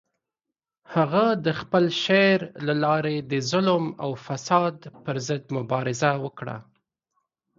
هغه د خپل شعر له لارې د ظلم او فساد پر ضد مبارزه وکړه.